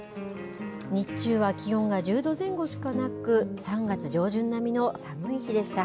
日中は気温が１０度前後しかなく、３月上旬並みの寒い日でした。